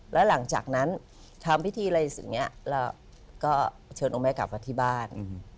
แล้วหลังจากนั้นทำพิธีอะไรอย่างนี้เราก็เชิญองค์แม่กลับมาที่บ้าน